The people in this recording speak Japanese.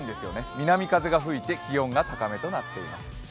南風が吹いて気温が高めになっています。